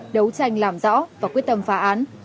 đấu tranh làm rõ và quyết tâm phá án